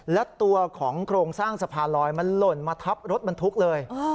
และตัวของโครงสร้างสะพานลอยมันหล่นมาทับรถบรรทุกเลย